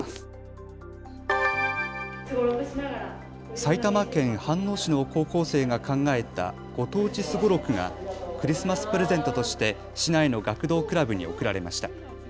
埼玉県飯能市の高校生が考えたご当地すごろくがクリスマスプレゼントとして市内の学童クラブにおくられました。